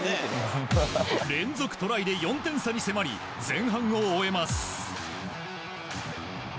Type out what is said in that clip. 連続トライで４点差に迫り前半を終えます。